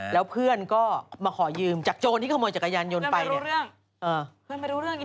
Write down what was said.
แล้วเพื่อนก็มาขอยืมจากโจรที่ขโมยจักรยานยนต์ไปเนี่ยเพื่อนไม่รู้เรื่องจริง